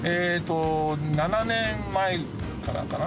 ７年前からかな。